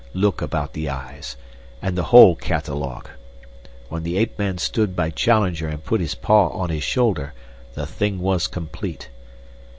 look about the eyes, and the whole catalogue. When the ape man stood by Challenger and put his paw on his shoulder, the thing was complete.